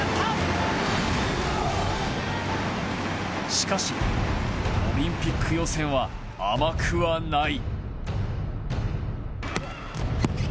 しかし、オリンピック予選は甘くはない。